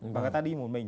và người ta đi một mình